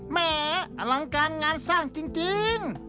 หมออลังการงานสร้างจริง